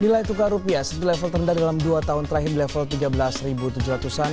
nilai tukar rupiah setelah level terendah dalam dua tahun terakhir di level tiga belas tujuh ratus an